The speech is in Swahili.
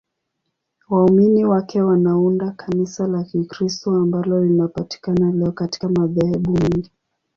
Waumini wake wanaunda Kanisa la Kikristo ambalo linapatikana leo katika madhehebu mengi.